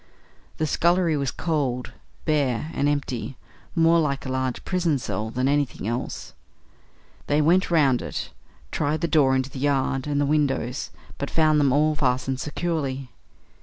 The scullery was cold, bare, and empty; more like a large prison cell than anything else. They went round it, tried the door into the yard, and the windows, but found them all fastened securely.